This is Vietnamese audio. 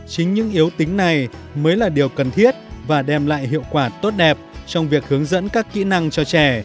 chính những yếu tính này mới là điều cần thiết và đem lại hiệu quả tốt đẹp trong việc hướng dẫn các kỹ năng cho trẻ